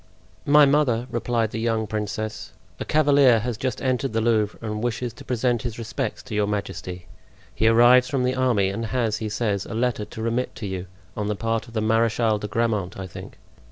"My mother," replied the young princess, "a cavalier has just entered the Louvre and wishes to present his respects to your majesty; he arrives from the army and has, he says, a letter to remit to you, on the part of the Marechal de Grammont, I think."